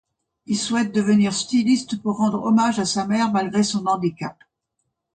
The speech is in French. Il souhaite devenir styliste pour rendre hommage à sa mère malgré son handicap.